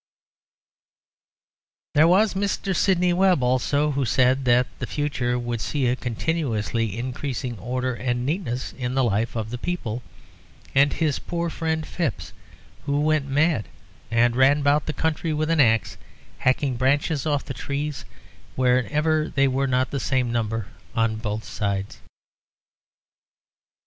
There was Mr. Sidney Webb, also, who said that the future would see a continuously increasing order and neatness in the life of the people, and his poor friend Fipps, who went mad and ran about the country with an axe, hacking branches off the trees whenever there were not the same number on both sides.